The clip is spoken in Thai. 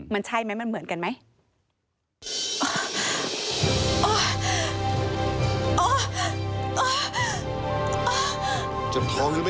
มันใช่ไหมมันเหมือนกันไหม